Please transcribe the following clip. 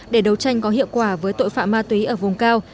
để đấu tranh có hiệu quả với tội phạm ma túy ở vùng cao